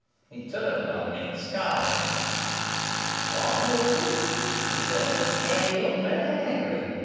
He turned on me and scowled: 'What is it?' he said, and he looked very angry.